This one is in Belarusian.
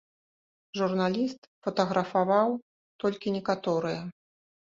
Журналіст фатаграфаваў толькі некаторыя.